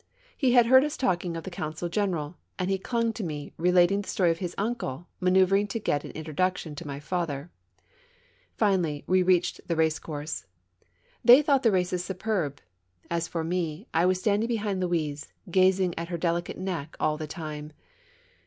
He had heard us talking of the Council General, and he clung to me, relating the story of his uncle, manoeuvering to get an introduction to my father. Finally, we reached the race course. They thought the races superb. As for me, I was stand ing behind Louise, gazing at her delicate neck all the time.